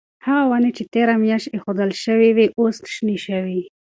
هغه ونې چې تیره میاشت ایښودل شوې وې اوس شنې شوې.